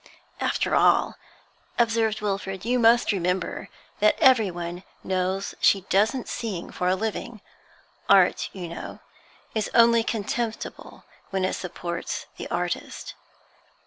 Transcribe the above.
'After all,' observed Wilfrid, 'you must remember that everyone knows she doesn't sing for a living. Art, you know, is only contemptible when it supports the artist.'